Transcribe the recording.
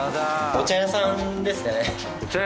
お茶屋さんです。